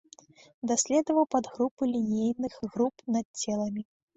Даследаваў падгрупы лінейных груп над целамі.